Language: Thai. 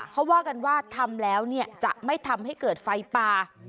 เขาว่ากันว่าทำแล้วจะไม่ทำให้เกิดไฟป่า